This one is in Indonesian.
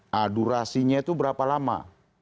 nah durasinya itu berapa lama